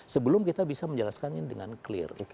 sebelum kita bisa menjelaskan ini dengan clear